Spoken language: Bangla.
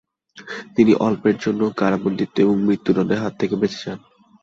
তিনি অল্পের জন্য কারাবন্দিত্ব এবং মৃত্যুদন্ডের হাত থেকে বেঁচে যান।